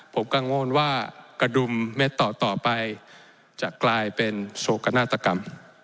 ผมกังวลว่ากระดุมเม็ดต่อไปจะกลายเป็นโศกนาฏกรรม